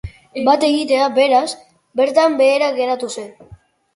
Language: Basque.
Bat-egitea beraz, bertan behera geratu zen.